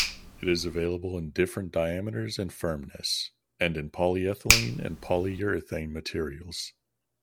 It is available in different diameters and firmness, and in polyethylene and polyurethane materials.